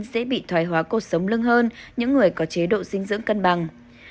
sẽ bị thoài hóa cột sống lưng hơn những người có chế độ dinh dưỡng cân bằng